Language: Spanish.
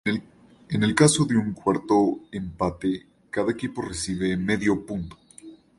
En el caso de un cuarto empate, cada equipo recibe medio punto.